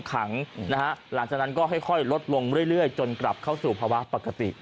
ขังนะฮะหลังจากนั้นก็ค่อยลดลงเรื่อยจนกลับเข้าสู่ภาวะปกติ